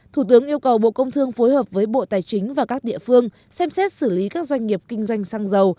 thủ tướng yêu cầu bộ công thương phối hợp với bộ tài chính và các địa phương xem xét xử lý các doanh nghiệp kinh doanh xăng dầu